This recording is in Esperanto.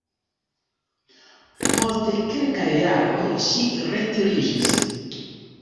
Post kelkaj jaroj ŝi retiriĝis.